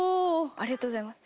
ありがとうございます。